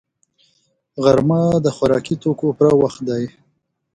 غرمه د خوراکي توکو پوره وخت دی